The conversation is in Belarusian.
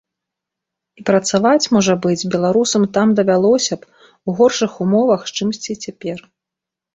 І працаваць, можа быць, беларусам там давялося б, у горшых умовах, чымсьці цяпер.